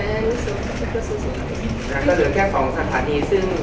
พวกมันจัดสินค้าที่๑๙นาที